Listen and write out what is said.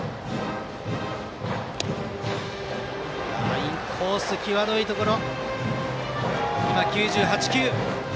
インコース、際どいところ。